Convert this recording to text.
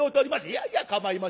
「いやいやかまいません。